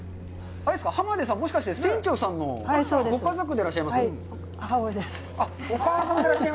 濱出さん、もしかして、船長さんのご家族でいらっしゃいますか？